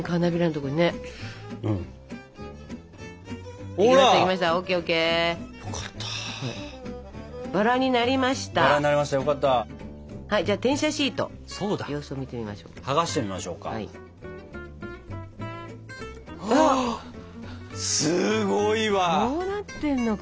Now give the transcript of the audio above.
こうなってんのか。